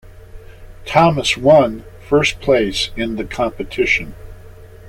Thomas one first place in the competition.